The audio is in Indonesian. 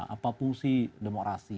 apa fungsi demokrasi